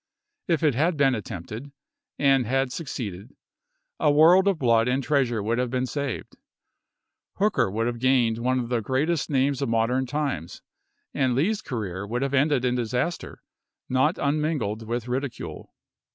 If it had been attempted, and had succeeded, a world of blood and treasure would have been saved, Hooker would have gained one of the greatest 208 ABRAHAM LINCOLN ch. vm. names of modern times, and Lee's career would have ended in disaster, not unmingled with ridicule.